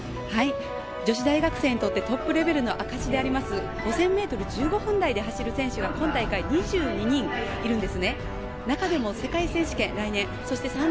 女子大学生にとってトップレベルの証である５０００ｍ１５分台で走る選手が今大会２２人いるんです。